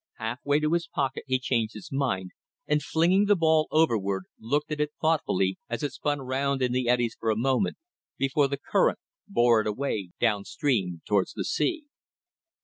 Halfway to his pocket he changed his mind, and flinging the ball overboard looked at it thoughtfully as it spun round in the eddies for a moment, before the current bore it away down stream, towards the sea.